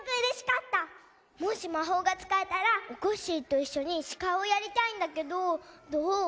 もしまほうがつかえたらおこっしぃといっしょにしかいをやりたいんだけどどう？